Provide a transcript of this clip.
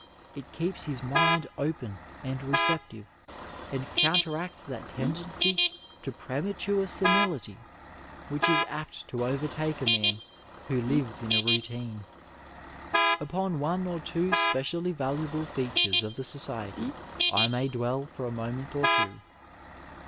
It keeps his mind open and recep tive, and counteracts that tendency to premature senility which is apt to overtake a man who lives in a routine. Upon one or two specially valuable features of the society I may dwell for a moment or two.